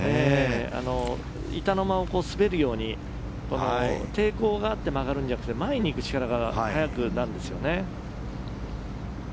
板の間を滑るように抵抗があって曲がるんじゃなくて前に行く力が速くなるんですよね。